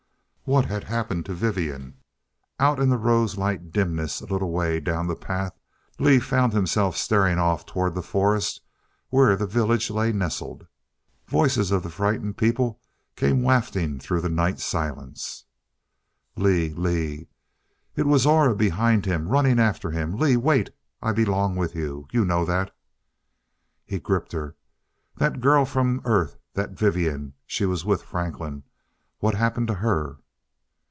What had happened to Vivian? Out in the rose light dimness, a little way down the path, Lee found himself staring off toward the forest where the village lay nestled. Voices of the frightened people came wafting through the night silence. "Lee Lee " It was Aura behind him, running after him. "Lee wait I belong with you. You know that " He gripped her. "That girl from Earth that Vivian she was with Franklin. What happened to her?"